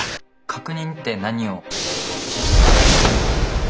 確認って何を？